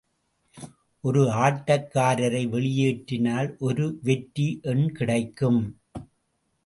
ஒரு ஆட்டக்காரரை வெளியேற்றினால், ஒரு வெற்றி எண் கிடைக்கும்.